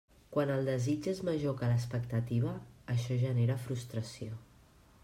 Quan el desig és major que l'expectativa, això genera frustració.